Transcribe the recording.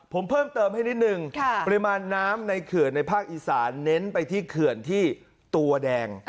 ผมเพิ่มเติมให้นิดนึงปริมาณน้ำในเขื่อนในภาคอีสานเน้นไปที่เขื่อนที่ตัวแดง